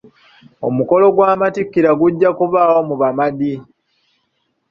Omukolo gw'amatikkira gujja kubawo mu Bamadi.